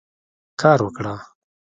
کار وکړه.